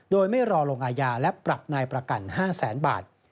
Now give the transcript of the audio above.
โดยไม่รอลงอาญาและปรับนายประกัน๕แสนบาท